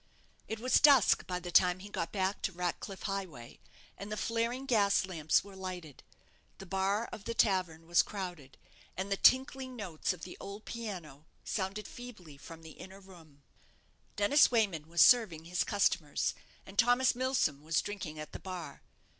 It was dusk by the time he got back to Ratcliff Highway, and the flaring gas lamps were lighted. The bar of the tavern was crowded, and the tinkling notes of the old piano sounded feebly from the inner room. Dennis Wayman was serving his customers, and Thomas Milsom was drinking at the bar.